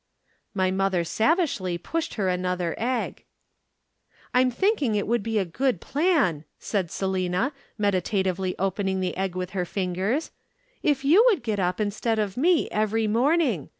"My mother savagely pushed her another egg. "'I'm thinking it would be a good plan,' said Selina, meditatively opening the egg with her fingers, 'if you would get up instead of me every morning.